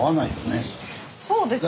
そうですね。